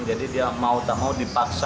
jadi dia mau tak mau dipaksa